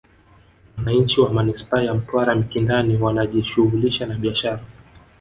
Wananchi wa Manispaa ya Mtwara Mikindani wanajishughulisha na biashara